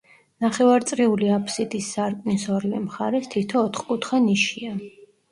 ნახევარწრიული აფსიდის სარკმლის ორივე მხარეს თითო ოთხკუთხა ნიშია.